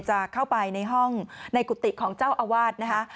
จะเข้าไปในห้องในกุฏิของเจ้าอาวาสนะคะ